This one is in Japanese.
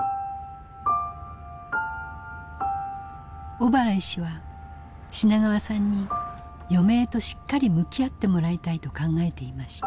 小原医師は品川さんに余命としっかり向き合ってもらいたいと考えていました。